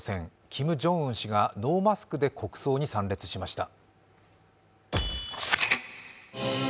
キム・ジョンウン氏がノーマスクで国葬に参列しました。